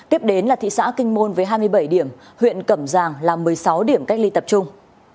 tiếp đến là thị xã kinh môn với hai mươi bảy điểm huyện cẩm giang là một mươi sáu điểm cách ly tập trung